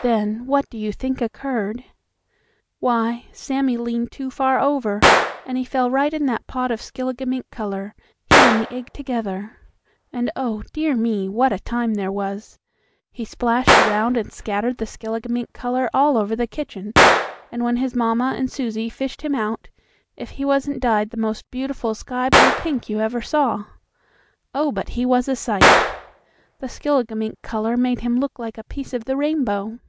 Then, what do you think occurred? Why, Sammie leaned too far over and he fell right in that pot of skilligimink color; he and the egg together. And oh, dear me! what a time there was. He splashed around and scattered the skilligimink color all over the kitchen, and when his mamma and Susie fished him out, if he wasn't dyed the most beautiful sky blue pink you ever saw! Oh, but he was a sight! The skilligimink color made him look like a piece of the rainbow.